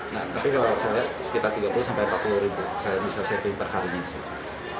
nah tapi kalau saya lihat sekitar tiga puluh sampai empat puluh ribu saya bisa saving per harinya sih